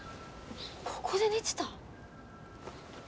ここで寝てた？